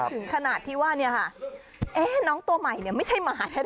ถึงขนาดที่ว่าน้องตัวใหม่ไม่ใช่หมาแท้นะ